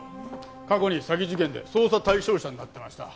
過去に詐欺事件で捜査対象者になってました。